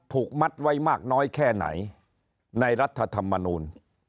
มัดไว้มากน้อยแค่ไหนในรัฐธรรมนูล